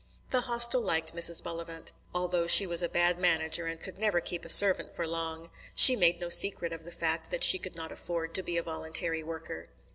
The Hostel liked Mrs. Bullivant, although she was a bad manager and could never keep a servant for long. She made no secret of the fact that she could not afford to be a voluntary worker.